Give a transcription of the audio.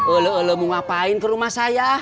olo olo mau ngapain ke rumah saya